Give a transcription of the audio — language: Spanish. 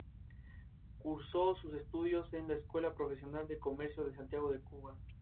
En esta ocasión, Kenny O'Brien se encarga de los arreglos vocales.